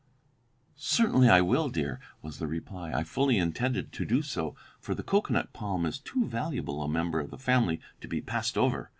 ] "Certainly I will, dear," was the reply. "I fully intended to do so, for the cocoanut palm is too valuable a member of the family to be passed over.